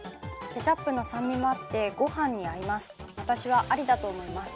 ケチャップの酸味もあってご飯にあいます。